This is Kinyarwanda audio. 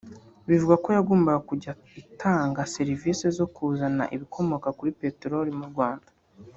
bivugwa ko yagombaga kujya itanga serivisi zo kuzana ibikomoka kuri peteroli mu Rwanda